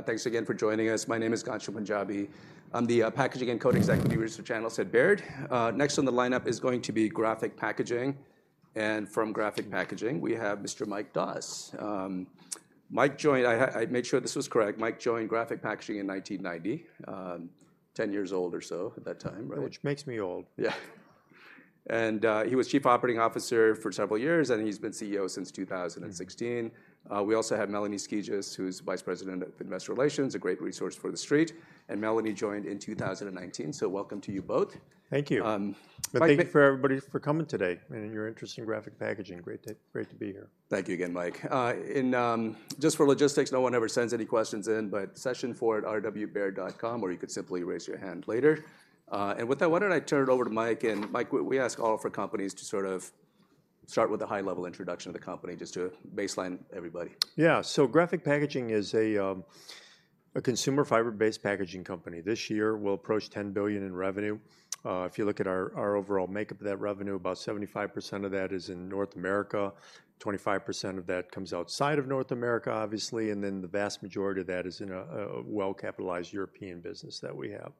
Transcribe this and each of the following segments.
Thanks again for joining us. My name is Ghansham Panjabi. I'm the packaging and container executive research analyst at Baird. Next on the lineup is going to be Graphic Packaging. From Graphic Packaging, we have Mr. Mike Doss. Mike joined. I made sure this was correct, Mike joined Graphic Packaging in 1990. 10 years old or so at that time, right? Which makes me old. Yeah. He was Chief Operating Officer for several years, and he's been CEO since 2016. We also have Melanie Skijus, who is Vice President of Investor Relations, a great resource for the street. Melanie joined in 2019. So welcome to you both. Thank you. Um, Mi- Thank you for everybody for coming today and your interest in Graphic Packaging. Great to be here. Thank you again, Mike. Just for logistics, no one ever sends any questions in, but sessionfour@rwbaird.com, or you could simply raise your hand later. With that, why don't I turn it over to Mike? Mike, we ask all of our companies to sort of start with a high-level introduction of the company, just to baseline everybody. Yeah. So Graphic Packaging is a a consumer fiber-based packaging company. This year, we'll approach $10 billion in revenue. If you look at our, our overall makeup of that revenue, about 75% of that is in North America, 25% of that comes outside of North America, obviously, and then the vast majority of that is in a a well-capitalized European business that we have.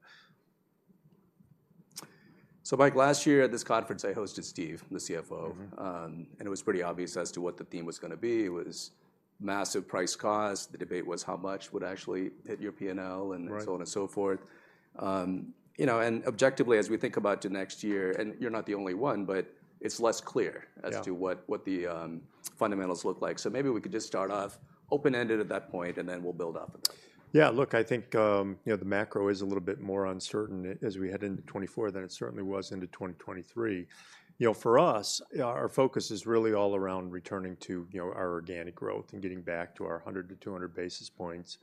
Mike, last year at this conference, I hosted Steve, the CFO. Mm-hmm. And it was pretty obvious as to what the theme was gonna be, was massive Price Cost. The debate was how much would actually hit your P&L and- Right.... so on and so forth. You know, and objectively, as we think about the next year, and you're not the only one, but it's less clear- Yeah.... as to what the fundamentals look like. So maybe we could just start off open-ended at that point, and then we'll build up. Yeah, look, I think, you know, the macro is a little bit more uncertain as we head into 2024 than it certainly was into 2023. You know, for us, our focus is really all around returning to, you know, our organic growth and getting back to our 100-200 basis points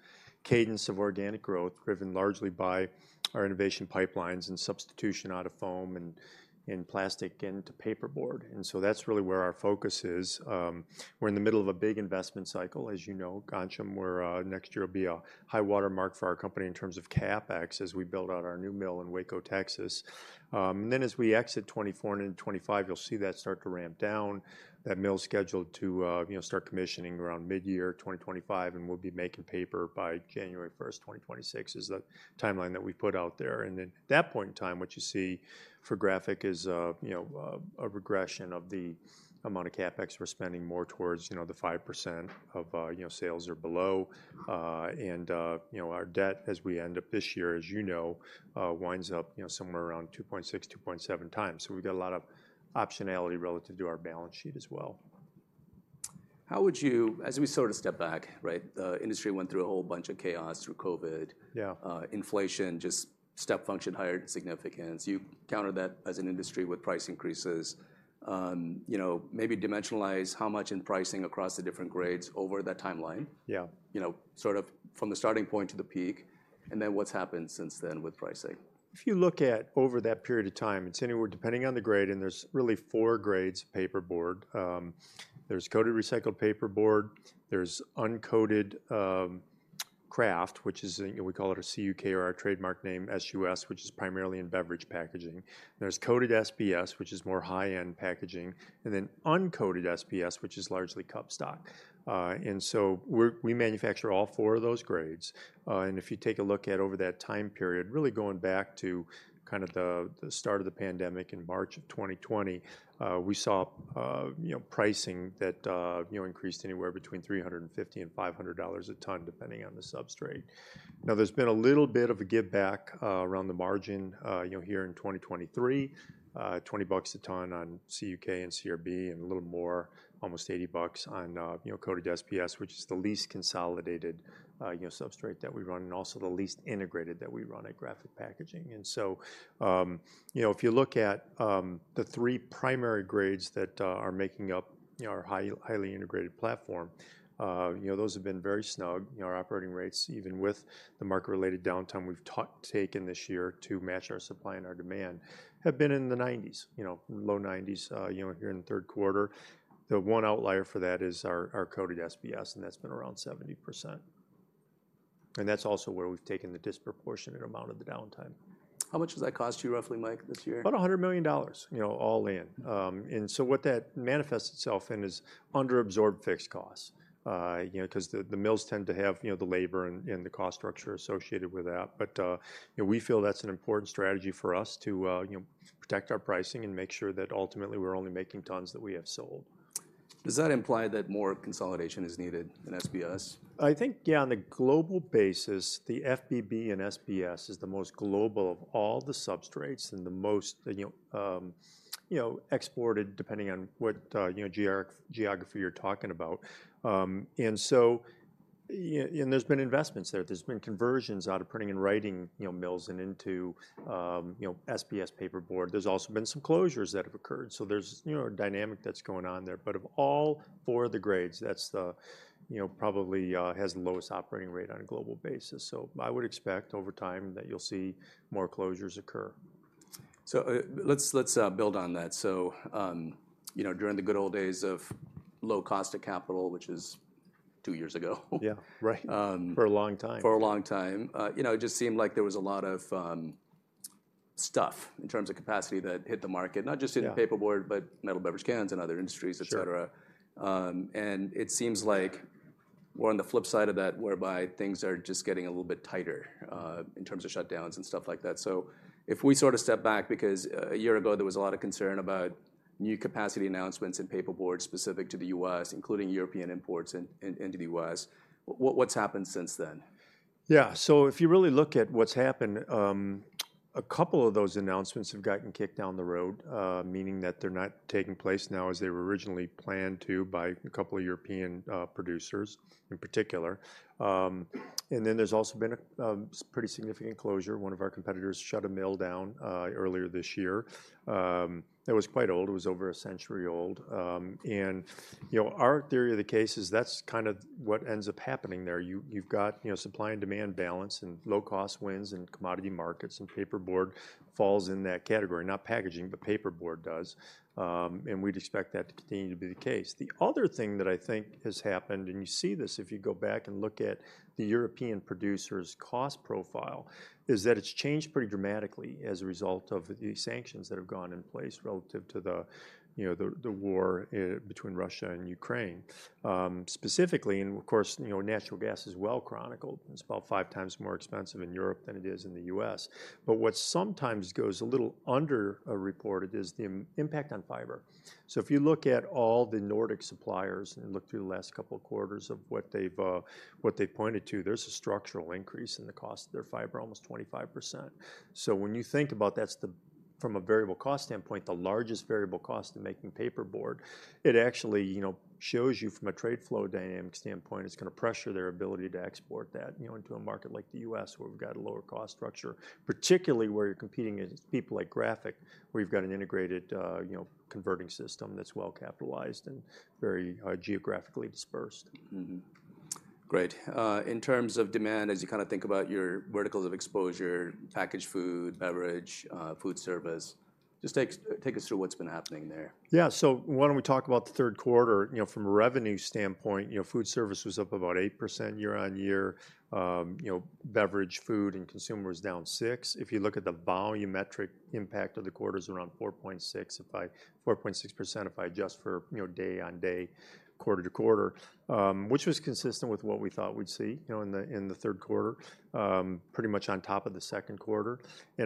cadence of organic growth, driven largely by our innovation pipelines and substitution out of foam and, and plastic into paperboard. And so that's really where our focus is. We're in the middle of a big investment cycle, as you know, Ghansham, where, next year will be a high-water mark for our company in terms of CapEx as we build out our new mill in Waco, Texas. And then as we exit 2024 and into 2025, you'll see that start to ramp down. That mill's scheduled to, you know, start commissioning around mid-year 2025, and we'll be making paper by January 1st, 2026, is the timeline that we've put out there. And then at that point in time, what you see for Graphic is, you know, a regression of the amount of CapEx we're spending more towards, you know, the 5% of, you know, sales or below. And, you know, our debt as we end up this year, as you know, winds up, you know, somewhere around 2.6-2.7x. So we've got a lot of optionality relative to our balance sheet as well. As we sort of step back, right? The industry went through a whole bunch of chaos through COVID. Yeah. Inflation, just step function, higher significance. You countered that as an industry with price increases. You know, maybe dimensionalize how much in pricing across the different grades over that timeline? Yeah. You know, sort of from the starting point to the peak, and then what's happened since then with pricing? If you look at over that period of time, it's anywhere, depending on the grade, and there's really four grades of paperboard. There's coated recycled paperboard, there's uncoated kraft, which is, we call it a CUK or our trademark name, SUS, which is primarily in beverage packaging. There's coated SBS, which is more high-end packaging, and then uncoated SBS, which is largely cup stock. And so we manufacture all four of those grades. And if you take a look at over that time period, really going back to kind of the start of the pandemic in March 2020, we saw, you know, pricing that, you know, increased anywhere between $350 and $500 a ton, depending on the substrate. Now, there's been a little bit of a giveback around the margin, you know, here in 2023, $20 a ton on CUK and CRB, and a little more, almost $80 on, you know, coated SBS, which is the least consolidated, you know, substrate that we run and also the least integrated that we run at Graphic Packaging. And so, you know, if you look at the three primary grades that are making up, you know, our highly integrated platform, you know, those have been very snug. You know, our operating rates, even with the market-related downtime we've taken this year to match our supply and our demand, have been in the 90s, you know, low 90s, you know, here in the third quarter. The one outlier for that is our coated SBS, and that's been around 70%. And that's also where we've taken the disproportionate amount of the downtime. How much does that cost you roughly, Mike, this year? About $100 million, you know, all in. So what that manifests itself in is under-absorbed fixed costs. You know, 'cause the, the mills tend to have, you know, the labor and, and the cost structure associated with that. But, you know, we feel that's an important strategy for us to, you know, protect our pricing and make sure that ultimately we're only making tons that we have sold. Does that imply that more consolidation is needed in SBS? I think, yeah, on a global basis, the FBB and SBS is the most global of all the substrates and the most, and, you know, exported, depending on what, you know, geography you're talking about. And so, yeah, and there's been investments there. There's been conversions out of printing and writing, you know, mills and into, you know, SBS paperboard. There's also been some closures that have occurred, so there's, you know, a dynamic that's going on there. But of all four of the grades, that's the, you know, probably has the lowest operating rate on a global basis. So I would expect over time that you'll see more closures occur. So, let's build on that. So, you know, during the good old days of low cost of capital, which is two years ago. Yeah. Right. Um- For a long time. For a long time. You know, it just seemed like there was a lot of stuff, in terms of capacity that hit the market, not just in- Yeah.... paperboard, but metal beverage cans and other industries, etc. Sure. And it seems like we're on the flip side of that, whereby things are just getting a little bit tighter in terms of shutdowns and stuff like that. So if we sort of step back, because a year ago, there was a lot of concern about new capacity announcements in paperboard specific to the U.S., including European imports into the U.S. What’s happened since then? Yeah. So if you really look at what's happened, a couple of those announcements have gotten kicked down the road, meaning that they're not taking place now as they were originally planned to by a couple of European producers in particular. And then there's also been a pretty significant closure. One of our competitors shut a mill down earlier this year. It was quite old. It was over a century old. And, you know, our theory of the case is that's kind of what ends up happening there. You, you've got, you know, supply and demand balance, and low cost wins in commodity markets, and paperboard falls in that category, not packaging, but paperboard does. And we'd expect that to continue to be the case. The other thing that I think has happened, and you see this if you go back and look at the European producers' cost profile, is that it's changed pretty dramatically as a result of the sanctions that have gone in place relative to the, you know, the war between Russia and Ukraine. Specifically, and of course, you know, natural gas is well-chronicled. It's about 5x more expensive in Europe than it is in the U.S. But what sometimes goes a little under-reported is the impact on fiber. So if you look at all the Nordic suppliers and look through the last couple of quarters of what they pointed to, there's a structural increase in the cost of their fiber, almost 25%. So when you think about that's the... From a variable cost standpoint, the largest variable cost in making paperboard, it actually, you know, shows you from a trade flow dynamic standpoint, it's gonna pressure their ability to export that, you know, into a market like the U.S., where we've got a lower cost structure, particularly where you're competing against people like Graphic, where you've got an integrated, you know, converting system that's well-capitalized and very geographically dispersed. Mm-hmm. Great. In terms of demand, as you kinda think about your verticals of exposure, packaged food, beverage, food service, just take us through what's been happening there. Yeah. So why don't we talk about the third quarter? You know, from a revenue standpoint, you know, food service was up about 8% year-on-year. You know, beverage, food, and consumer was down 6%. If you look at the volumetric impact of the quarter, it's around 4.6, 4.6%, if I adjust for, you know, day-on-day, quarter-to-quarter, which was consistent with what we thought we'd see, you know, in the, in the third quarter, pretty much on top of the second quarter.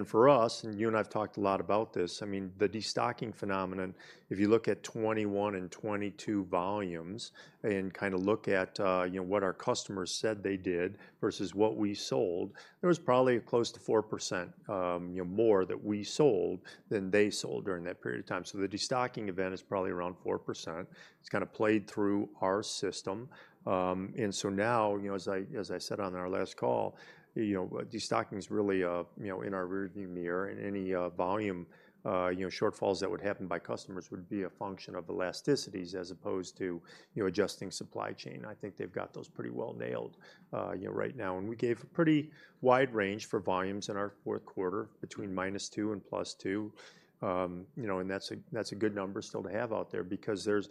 For us, and you and I have talked a lot about this, I mean, the destocking phenomenon, if you look at 2021 and 2022 volumes and kinda look at, you know, what our customers said they did versus what we sold, there was probably close to 4%, you know, more that we sold than they sold during that period of time. So the destocking event is probably around 4%. It's kinda played through our system. And so now, you know, as I, as I said on our last call, you know, destocking is really, you know, in our rear view mirror, and any volume, you know, shortfalls that would happen by customers would be a function of elasticities as opposed to, you know, adjusting supply chain. I think they've got those pretty well nailed, you know, right now. We gave a pretty wide range for volumes in our fourth quarter, between -2% and +2%. You know, and that's a good number still to have out there because there's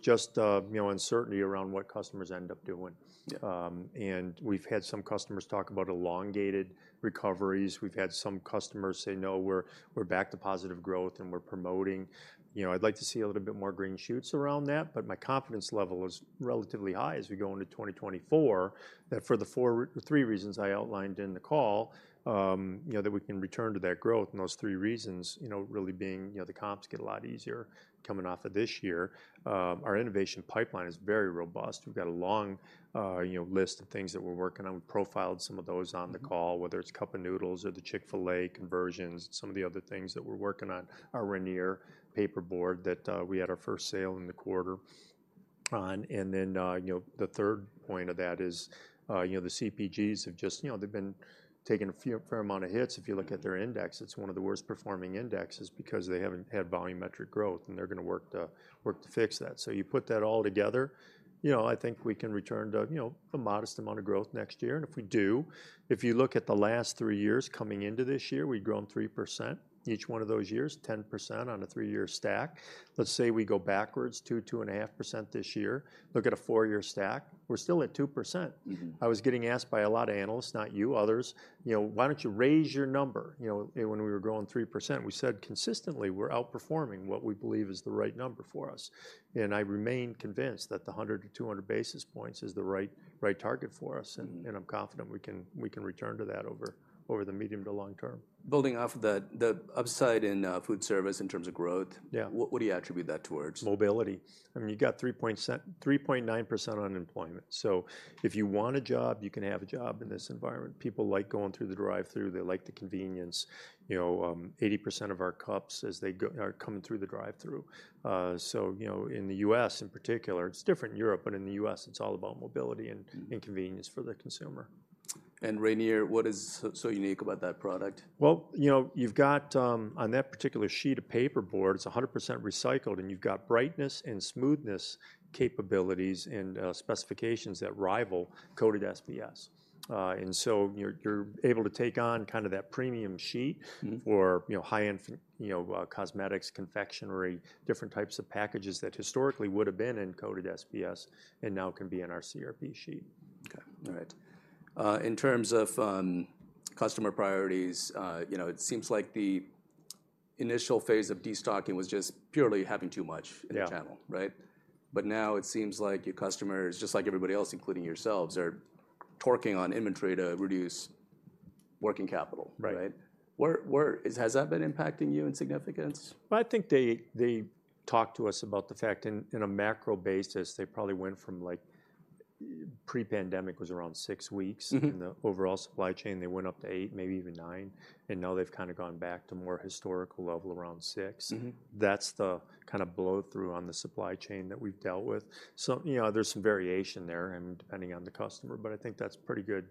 just you know, uncertainty around what customers end up doing. Yeah. And we've had some customers talk about elongated recoveries. We've had some customers say: "No, we're back to positive growth, and we're promoting." You know, I'd like to see a little bit more green shoots around that, but my confidence level is relatively high as we go into 2024. That, for the three reasons I outlined in the call, you know, that we can return to that growth, and those three reasons, you know, really being, you know, the comps get a lot easier coming off of this year. Our innovation pipeline is very robust. We've got a long, you know, list of things that we're working on. We profiled some of those on the call. Mm-hmm. Whether it's Cup Noodles or the Chick-fil-A conversions. Some of the other things that we're working on, our Rainier paperboard, that, we had our first sale in the quarter on. And then, you know, the third point of that is, you know, the CPGs have just, you know, they've been taking a fair amount of hits. If you look at their index, it's one of the worst performing indexes because they haven't had volumetric growth, and they're gonna work to, work to fix that. So you put that all together, you know, I think we can return to, you know, a modest amount of growth next year. And if we do, if you look at the last three years coming into this year, we've grown 3% each one of those years, 10% on a three-year stack. Let's say we go backwards 2, 2.5% this year, look at a 4-year stack, we're still at 2%. Mm-hmm. I was getting asked by a lot of analysts, not you, others, "You know, why don't you raise your number?" You know, when we were growing 3%, we said consistently, we're outperforming what we believe is the right number for us. And I remain convinced that the 100-200 basis points is the right, right target for us- Mm-hmm.... and I'm confident we can return to that over the medium to long term. Building off of that, the upside in food service in terms of growth- Yeah.... what, what do you attribute that towards? Mobility. I mean, you got 3.9% unemployment. So if you want a job, you can have a job in this environment. People like going through the drive-thru. They like the convenience. You know, 80% of our cups as they go are coming through the drive-thru. So, you know, in the U.S. in particular, it's different in Europe, but in the U.S., it's all about mobility and- Mm-hmm.... and convenience for the consumer. Rainier, what is so unique about that product? Well, you know, you've got, on that particular sheet of paperboard, it's 100% recycled, and you've got brightness and smoothness capabilities and specifications that rival coated SBS. And so you're, you're able to take on kind of that premium sheet- Mm-hmm.... or, you know, high-end, you know, cosmetics, confectionery, different types of packages that historically would have been in coated SBS and now can be in our CRB sheet. Okay. All right. In terms of customer priorities, you know, it seems like the initial phase of destocking was just purely having too much- Yeah. In the channel, right? But now it seems like your customers, just like everybody else, including yourselves, are torquing on inventory to reduce working capital. Right. Right? Where has that been impacting you significantly? I think they talked to us about the fact in a macro basis, they probably went from, like, pre-pandemic was around six weeks- Mm-hmm. in the overall supply chain. They went up to 8, maybe even 9, and now they've kind of gone back to more historical level around 6. Mm-hmm. That's the kind of blow-through on the supply chain that we've dealt with. So, you know, there's some variation there and depending on the customer, but I think that's pretty good,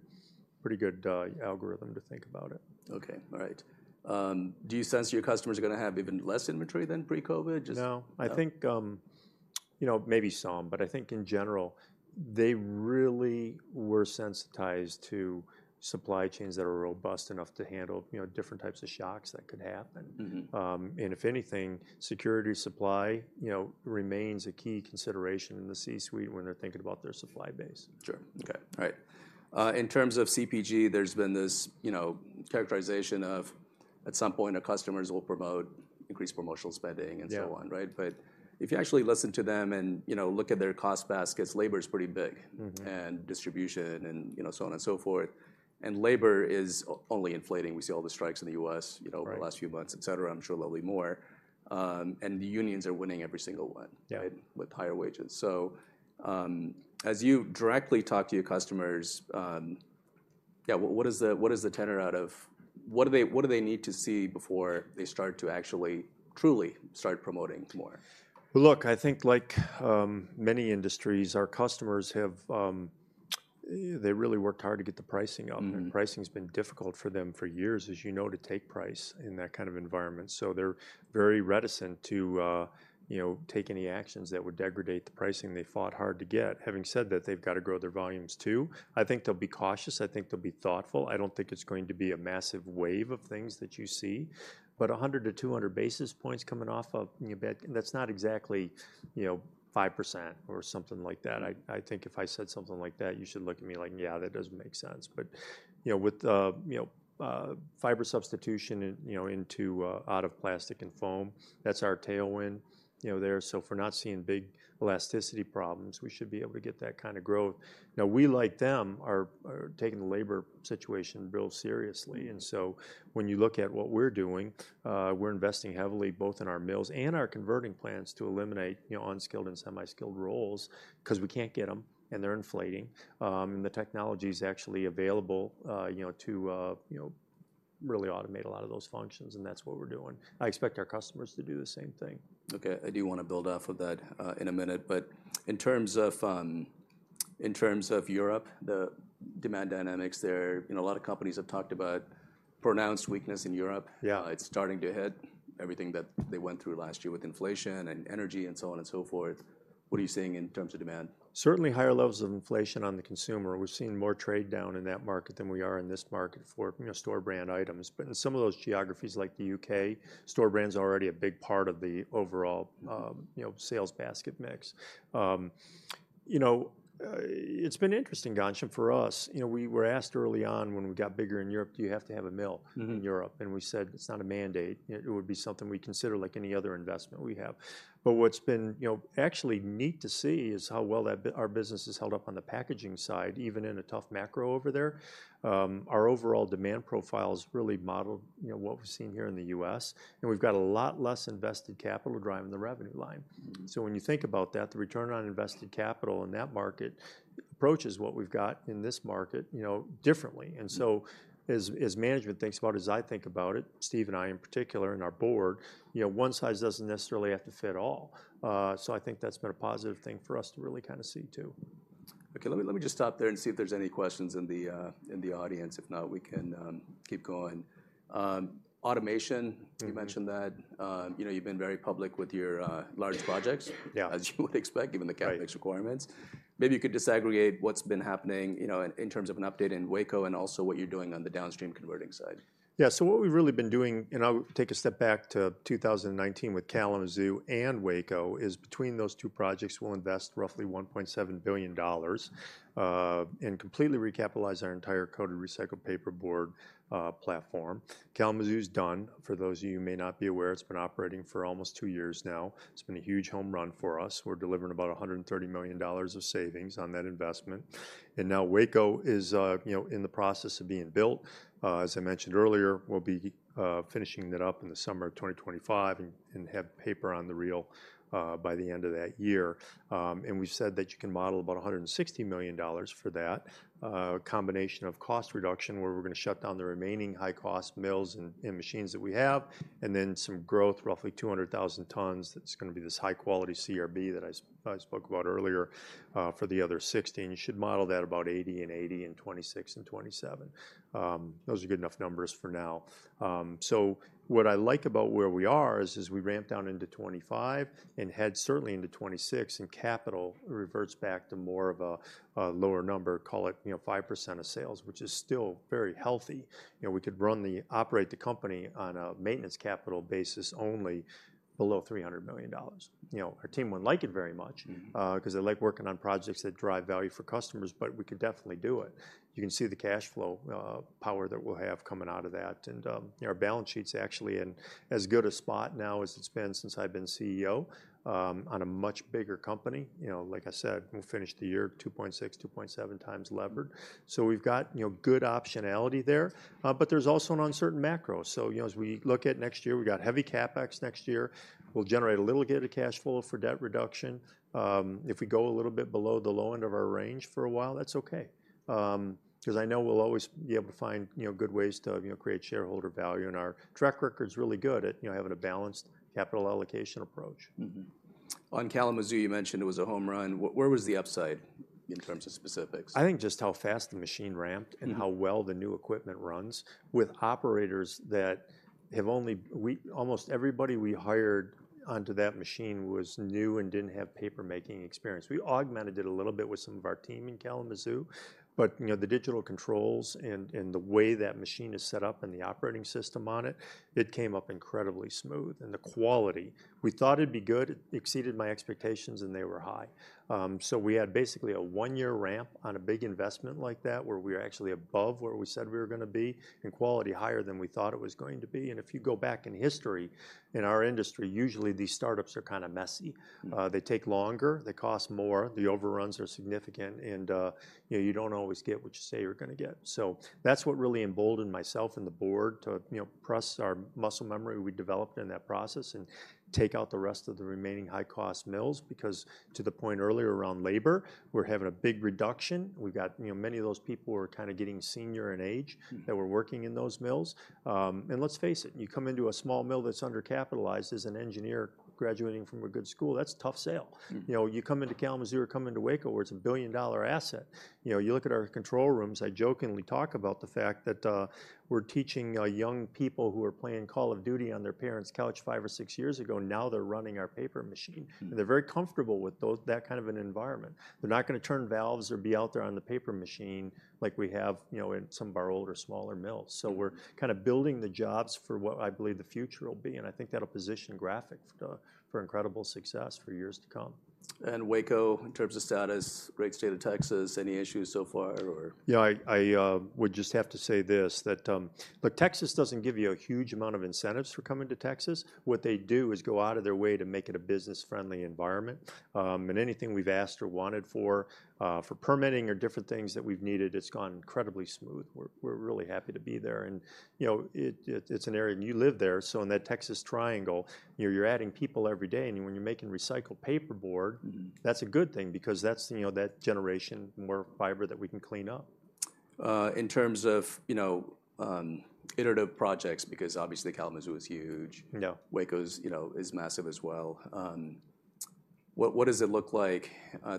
pretty good, algorithm to think about it. Okay. All right. Do you sense your customers are gonna have even less inventory than pre-COVID? Just- No. No? I think, you know, maybe some, but I think in general, they really were sensitized to supply chains that are robust enough to handle, you know, different types of shocks that could happen. Mm-hmm. If anything, security of supply, you know, remains a key consideration in the C-suite when they're thinking about their supply base. Sure. Okay, all right. In terms of CPG, there's been this, you know, characterization of, at some point, our customers will promote increased promotional spending- Yeah.... and so on, right? But if you actually listen to them and, you know, look at their cost baskets, labor is pretty big. Mm-hmm. Distribution and, you know, so on and so forth, and labor is only inflating. We see all the strikes in the U.S.- Right.... you know, over the last few months, et cetera. I'm sure there'll be more. The unions are winning every single one- Yeah.... right, with higher wages. So, as you directly talk to your customers, yeah, what is the, what is the tenor out of... What do they, what do they need to see before they start to actually truly start promoting more? Well, look, I think, like, many industries, our customers have, they really worked hard to get the pricing up. Mm-hmm. Pricing's been difficult for them for years, as you know, to take price in that kind of environment. So they're very reticent to, you know, take any actions that would degrade the pricing they fought hard to get. Having said that, they've got to grow their volumes, too. I think they'll be cautious. I think they'll be thoughtful. I don't think it's going to be a massive wave of things that you see, but 100-200 basis points coming off of, you bet, that's not exactly, you know, 5% or something like that. I think if I said something like that, you should look at me like, "Yeah, that doesn't make sense." But, you know, with, you know, fiber substitution in, you know, into, out of plastic and foam, that's our tailwind, you know, there. So if we're not seeing big elasticity problems, we should be able to get that kind of growth. Now, we, like them, are taking the labor situation real seriously. Mm-hmm. When you look at what we're doing, we're investing heavily both in our mills and our converting plants to eliminate, you know, unskilled and semi-skilled roles 'cause we can't get them, and they're inflating. The technology's actually available, you know, to you know really automate a lot of those functions, and that's what we're doing. I expect our customers to do the same thing. Okay, I do wanna build off of that in a minute, but in terms of Europe, the demand dynamics there, you know, a lot of companies have talked about pronounced weakness in Europe. Yeah. It's starting to hit everything that they went through last year with inflation and energy and so on and so forth. What are you seeing in terms of demand? Certainly higher levels of inflation on the consumer. We're seeing more trade down in that market than we are in this market for, you know, store brand items. But in some of those geographies, like the U.K., store brand's already a big part of the overall- Mm-hmm.... you know, sales basket mix. You know, it's been interesting, Ghansham, for us. You know, we were asked early on when we got bigger in Europe, "Do you have to have a mill- Mm-hmm... in Europe?" And we said, "It's not a mandate. It would be something we'd consider, like any other investment we have." But what's been, you know, actually neat to see is how well our business has held up on the packaging side, even in a tough macro over there. Our overall demand profile is really modeled, you know, what we've seen here in the U.S., and we've got a lot less invested capital driving the revenue line. Mm-hmm. When you think about that, the return on invested capital in that market approaches what we've got in this market, you know, differently. Mm-hmm. And so, as management thinks about it, as I think about it, Steve and I in particular, and our board, you know, one size doesn't necessarily have to fit all. So I think that's been a positive thing for us to really kind of see, too. Okay, let me, let me just stop there and see if there's any questions in the, in the audience. If not, we can keep going. Automation- Mm-hmm.... you mentioned that. You know, you've been very public with your large projects- Yeah.... as you would expect, given the- Right.... CapEx requirements. Maybe you could disaggregate what's been happening, you know, in terms of an update in Waco and also what you're doing on the downstream converting side? Yeah. So what we've really been doing, and I'll take a step back to 2019 with Kalamazoo and Waco, is between those two projects, we'll invest roughly $1.7 billion and completely recapitalize our entire coated recycled paperboard platform. Kalamazoo's done. For those of you who may not be aware, it's been operating for almost two years now. It's been a huge home run for us. We're delivering about $130 million of savings on that investment. And now Waco is, you know, in the process of being built. As I mentioned earlier, we'll be finishing it up in the summer of 2025 and have paper on the reel by the end of that year. And we've said that you can model about $160 million for that. Combination of cost reduction, where we're gonna shut down the remaining high-cost mills and machines that we have, and then some growth, roughly 200,000 tons. That's gonna be this high-quality CRB that I spoke about earlier, for the other 60, and you should model that about 80 and 80 and 2026 and 2027. Those are good enough numbers for now. So what I like about where we are is we ramp down into 2025, and head certainly into 2026, and capital reverts back to more of a lower number, call it, you know, 5% of sales, which is still very healthy. You know, we could run and operate the company on a maintenance capital basis only below $300 million. You know, our team wouldn't like it very much- Mm-hmm. 'Cause they like working on projects that drive value for customers, but we could definitely do it. You can see the cash flow power that we'll have coming out of that. And, you know, our balance sheet's actually in as good a spot now as it's been since I've been CEO, on a much bigger company. You know, like I said, we'll finish the year 2.6-2.7x levered. So we've got, you know, good optionality there. But there's also an uncertain macro. So, you know, as we look at next year, we've got heavy CapEx next year. We'll generate a little bit of cash flow for debt reduction. If we go a little bit below the low end of our range for a while, that's okay, 'cause I know we'll always be able to find, you know, good ways to, you know, create shareholder value, and our track record's really good at, you know, having a balanced capital allocation approach. Mm-hmm. On Kalamazoo, you mentioned it was a home run. Where was the upside in terms of specifics? I think just how fast the machine ramped- Mm.... and how well the new equipment runs. Almost everybody we hired onto that machine was new and didn't have paper-making experience. We augmented it a little bit with some of our team in Kalamazoo, but, you know, the digital controls and the way that machine is set up and the operating system on it, it came up incredibly smooth. And the quality, we thought it'd be good. It exceeded my expectations, and they were high. So we had basically a one-year ramp on a big investment like that, where we're actually above where we said we were gonna be, and quality higher than we thought it was going to be. And if you go back in history, in our industry, usually these startups are kind of messy. Mm. They take longer, they cost more, the overruns are significant, and, you know, you don't always get what you say you're gonna get. So that's what really emboldened myself and the board to, you know, press our muscle memory we developed in that process and take out the rest of the remaining high-cost mills, because to the point earlier around labor, we're having a big reduction. We've got... You know, many of those people were kind of getting senior in age- Mm.... that were working in those mills. And let's face it, you come into a small mill that's undercapitalized as an engineer graduating from a good school, that's a tough sell. Mm. You know, you come into Kalamazoo or come into Waco, where it's a billion-dollar asset. You know, you look at our control rooms, I jokingly talk about the fact that, we're teaching, young people who were playing Call of Duty on their parents' couch five or six years ago, now they're running our paper machine. Mm. They're very comfortable with those, that kind of an environment. They're not gonna turn valves or be out there on the paper machine like we have, you know, in some of our older, smaller mills. Mm. We're kind of building the jobs for what I believe the future will be, and I think that'll position Graphic for incredible success for years to come. Waco, in terms of status, great state of Texas, any issues so far, or? Yeah, I would just have to say this, that, look, Texas doesn't give you a huge amount of incentives for coming to Texas. What they do is go out of their way to make it a business-friendly environment. And anything we've asked or wanted for permitting or different things that we've needed, it's gone incredibly smooth. We're really happy to be there and, you know, it's an area... And you live there, so in that Texas triangle, you know, you're adding people every day, and when you're making recycled paper board- Mm-hmm.... that's a good thing because that's, you know, that generation, more fiber that we can clean up. In terms of, you know, iterative projects, because obviously Kalamazoo is huge. Yeah. Waco is, you know, is massive as well. What, what does it look like,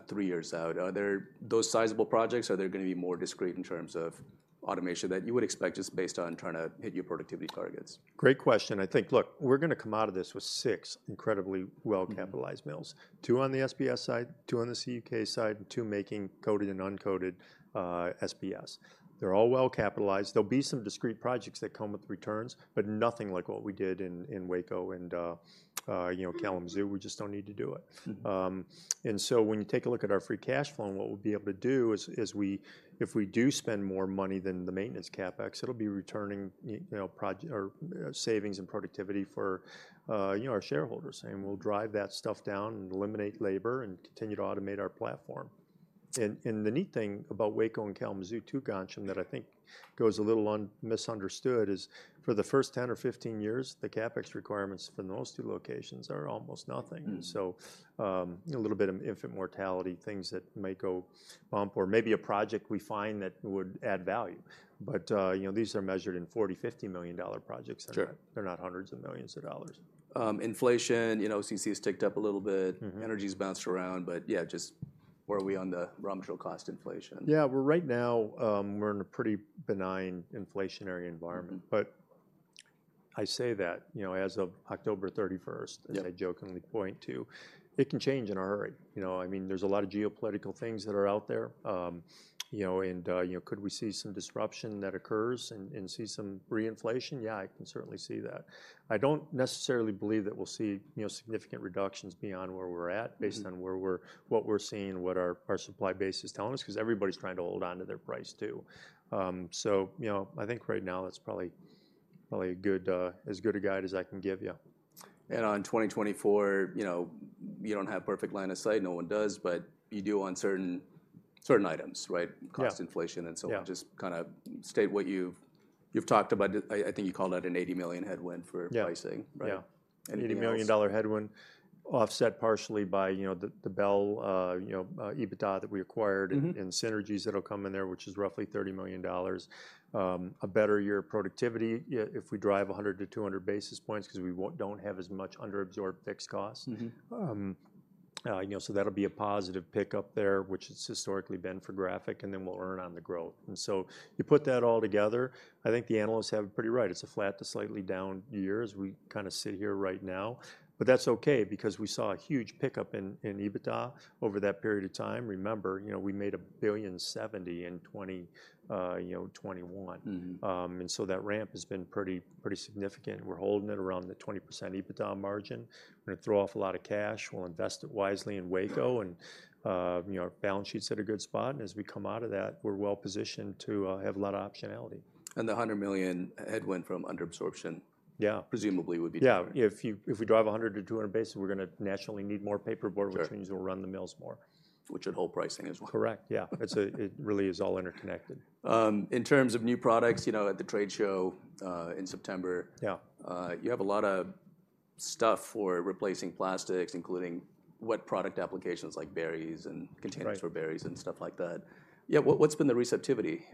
three years out? Are there those sizable projects, or are there gonna be more discrete in terms of automation that you would expect just based on trying to hit your productivity targets? Great question. I think, look, we're gonna come out of this with six incredibly well-capitalized- Mm.... mills, 2 on the SBS side, 2 on the CUK side, and 2 making coated and uncoated SBS. They're all well-capitalized. There'll be some discrete projects that come with returns, but nothing like what we did in Waco and, you know, Kalamazoo. We just don't need to do it. Mm-hmm. And so when you take a look at our free cash flow, and what we'll be able to do is we if we do spend more money than the maintenance CapEx, it'll be returning, you know, projected or savings and productivity for, you know, our shareholders. And we'll drive that stuff down and eliminate labor and continue to automate our platform. And the neat thing about Waco and Kalamazoo, too, Ghansham, that I think goes a little misunderstood, is for the first 10 or 15 years, the CapEx requirements for those two locations are almost nothing. Mm. So, you know, a little bit of infant mortality, things that may go bump or maybe a project we find that would add value. But, you know, these are measured in $40 million-$50 million projects. Sure. They're not hundreds of millions dollars. Inflation, you know, OCC has ticked up a little bit. Mm-hmm. Energy's bounced around, but yeah, just where are we on the raw material cost inflation? Yeah. Well, right now, we're in a pretty benign inflationary environment. Mm. But I say that, you know, as of October 31st- Yeah.... as I jokingly point to, it can change in a hurry. You know, I mean, there's a lot of geopolitical things that are out there. You know, could we see some disruption that occurs and see some re-inflation? Yeah, I can certainly see that. I don't necessarily believe that we'll see, you know, significant reductions beyond where we're at- Mm.... based on where we're, what we're seeing and what our supply base is telling us, 'cause everybody's trying to hold on to their price, too. So, you know, I think right now that's probably a good, as good a guide as I can give you. On 2024, you know, you don't have perfect line of sight, no one does, but you do on certain items, right? Yeah. Cost inflation and so on. Yeah. Just kind of state what you've talked about. I think you called out an $80 million headwind for- Yeah.... pricing, right? Yeah. Anything else? $80 million headwind, offset partially by, you know, the Bell EBITDA that we acquired- Mm-hmm.... and synergies that'll come in there, which is roughly $30 million. A better year productivity, yeah, if we drive 100-200 basis points, 'cause we won't, don't have as much under-absorbed fixed costs. Mm-hmm. So that'll be a positive pickup there, which it's historically been for Graphic, and then we'll earn on the growth. So you put that all together, I think the analysts have it pretty right. It's a flat to slightly down year as we kind of sit here right now, but that's okay because we saw a huge pickup in EBITDA over that period of time. Remember, you know, we made $1.07 billion in 2021. Mm-hmm. And so that ramp has been pretty, pretty significant. We're holding it around the 20% EBITDA margin. We're gonna throw off a lot of cash. We'll invest it wisely in Waco and, you know, our balance sheet's at a good spot, and as we come out of that, we're well positioned to, have a lot of optionality. The $100 million headwind from under absorption- Yeah.... presumably would be- Yeah. If you, if we drive 100-200 basis, we're gonna naturally need more paperboard- Sure.... which means we'll run the mills more. Which should hold pricing as well. Correct. Yeah. It's, it really is all interconnected. In terms of new products, you know, at the trade show, in September- Yeah.... you have a lot of stuff for replacing plastics, including wet product applications, like berries and- Right.... containers for berries and stuff like that. Yeah, what, what's been the receptivity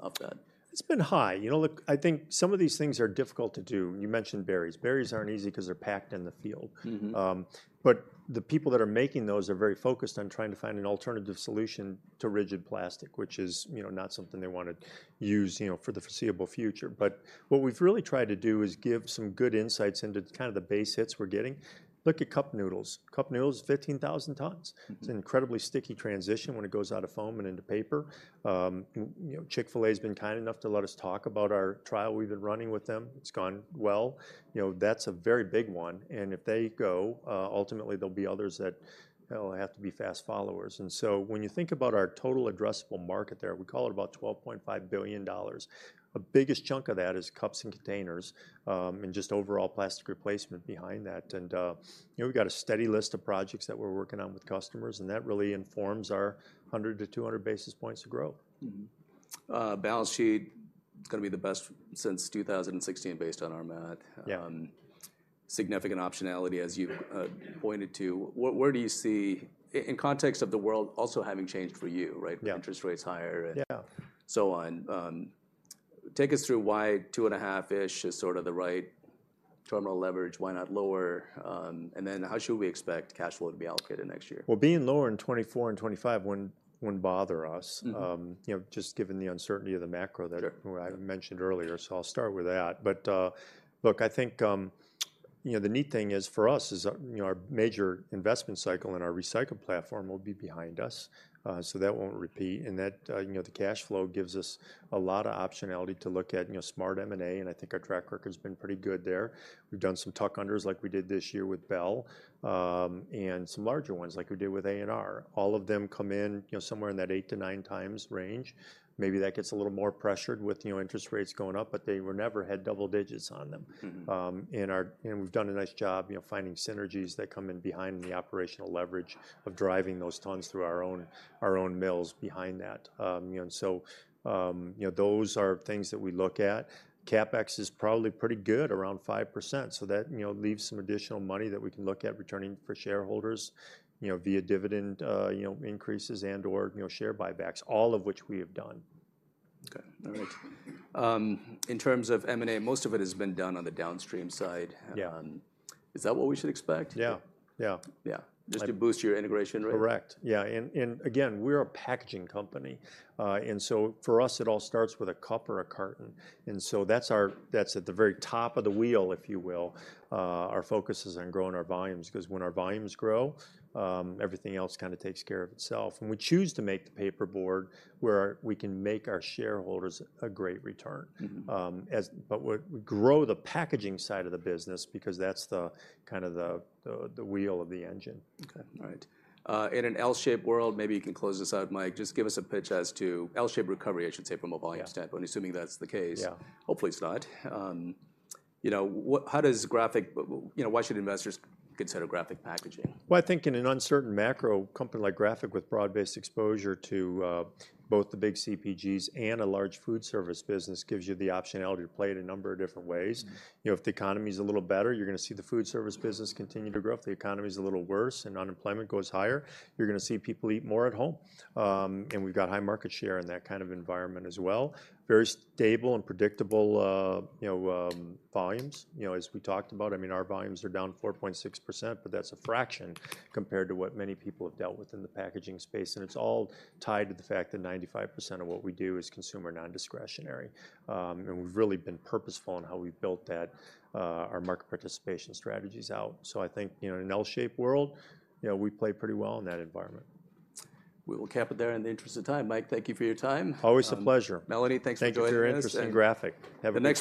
of that? It's been high. You know, look, I think some of these things are difficult to do. And you mentioned berries. Berries aren't easy 'cause they're packed in the field. Mm-hmm. But the people that are making those are very focused on trying to find an alternative solution to rigid plastic, which is, you know, not something they wanna use, you know, for the foreseeable future. But what we've really tried to do is give some good insights into kind of the base hits we're getting. Look at Cup Noodles. Cup Noodles is 15,000 tons. Mm-hmm. It's an incredibly sticky transition when it goes out of foam and into paper. You know, Chick-fil-A's been kind enough to let us talk about our trial we've been running with them. It's gone well. You know, that's a very big one, and if they go, ultimately, there'll be others that will have to be fast followers. And so when you think about our total addressable market there, we call it about $12.5 billion. The biggest chunk of that is cups and containers, and just overall plastic replacement behind that. You know, we've got a steady list of projects that we're working on with customers, and that really informs our 100-200 basis points of growth. Mm-hmm. Balance sheet, it's gonna be the best since 2016 based on our math. Yeah. Significant optionality, as you pointed to. Where do you see... in context of the world also having changed for you, right? Yeah. Interest rates higher and- Yeah.... so on. Take us through why 2.5-ish is sort of the right terminal leverage. Why not lower? And then how should we expect cash flow to be allocated next year? Well, being lower in 2024 and 2025 wouldn't bother us. Mm-hmm. You know, just given the uncertainty of the macro that- Sure.... well, I mentioned earlier, so I'll start with that. But, look, I think, you know, the neat thing is, for us, is, you know, our major investment cycle and our recycle platform will be behind us. So that won't repeat, and that, you know, the cash flow gives us a lot of optionality to look at, you know, smart M&A, and I think our track record's been pretty good there. We've done some tuck unders like we did this year with Bell, and some larger ones like we did with A&R. All of them come in, you know, somewhere in that 8-9 times range. Maybe that gets a little more pressured with, you know, interest rates going up, but they were never had double digits on them. Mm-hmm. And we've done a nice job, you know, finding synergies that come in behind the operational leverage of driving those tons through our own, our own mills behind that. You know, so, you know, those are things that we look at. CapEx is probably pretty good, around 5%, so that, you know, leaves some additional money that we can look at returning for shareholders, you know, via dividend, you know, increases and/or, you know, share buybacks, all of which we have done. Okay. All right. In terms of M&A, most of it has been done on the downstream side. Yeah. Is that what we should expect? Yeah. Yeah. Yeah. Uh- Just to boost your Integration Rate? Correct. Yeah, and again, we're a packaging company. And so for us, it all starts with a cup or a carton, and so that's our—that's at the very top of the wheel, if you will. Our focus is on growing our volumes, 'cause when our volumes grow, everything else kind of takes care of itself. And we choose to make the paperboard where our—we can make our shareholders a great return. Mm-hmm. But as we grow the packaging side of the business because that's kind of the wheel of the engine. Okay. All right. In an L-shaped world, maybe you can close this out, Mike. Just give us a pitch as to L-shaped recovery, I should say, from a volume- Yeah.... standpoint, assuming that's the case. Yeah. Hopefully it's not. You know, what, how does Graphic... you know, why should investors consider Graphic Packaging? Well, I think in an uncertain macro, a company like Graphic with broad-based exposure to both the big CPGs and a large food service business, gives you the optionality to play it a number of different ways. Mm-hmm. You know, if the economy's a little better, you're gonna see the food service business continue to grow. If the economy's a little worse and unemployment goes higher, you're gonna see people eat more at home. And we've got high market share in that kind of environment as well. Very stable and predictable, you know, volumes. You know, as we talked about, I mean, our volumes are down 4.6%, but that's a fraction compared to what many people have dealt with in the packaging space, and it's all tied to the fact that 95% of what we do is consumer non-discretionary. And we've really been purposeful in how we've built that, our market participation strategies out. So I think, you know, an L-shaped world, you know, we play pretty well in that environment. We will cap it there in the interest of time. Mike, thank you for your time. Always a pleasure. Melanie, thanks for joining us. Thank you for your interest in Graphic. Have a good day.